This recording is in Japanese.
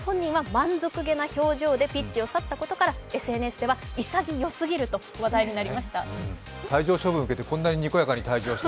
しかし、本人は満足げな表情でピッチを去ったことからＳＮＳでは、いさぎよすぎると話題になりました。